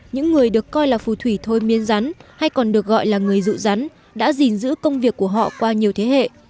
những người được coi là phù thủy thôi miên rắn hay còn được gọi là người rụ rắn đã gìn giữ công việc của họ qua nhiều thế hệ